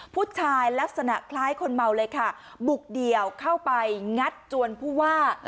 ลักษณะคล้ายคนเมาเลยค่ะบุกเดี่ยวเข้าไปงัดจวนผู้ว่า